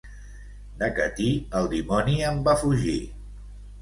De Catí, el dimoni en va fugir.